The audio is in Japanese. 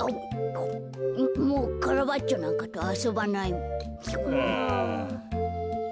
ももうカラバッチョなんかとあそばないもん。